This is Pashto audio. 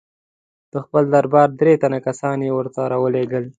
د خپل دربار درې تنه کسان یې ورته را ولېږل.